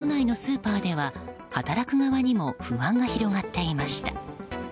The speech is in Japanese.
都内のスーパーでは働く側にも不安が広がっていました。